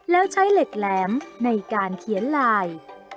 แล้วใช้เหล็กแหลมในการเขียนลาย